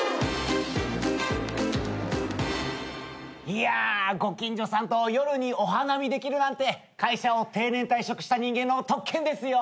いやご近所さんと夜にお花見できるなんて会社を定年退職した人間の特権ですよ。